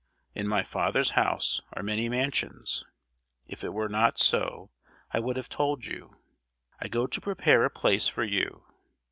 In my Father's house are many mansions: if it were not so, I would have told you. I go to prepare a place for you.